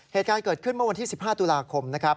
เหตุการณ์เกิดขึ้นเมื่อวันที่๑๕ตุลาคมนะครับ